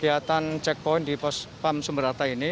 kita sudah melakukan checkpoint di pam sumber arta ini